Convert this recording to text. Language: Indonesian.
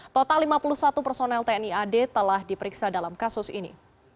total lima puluh satu personel tni ad telah diperiksa dalam kasus ini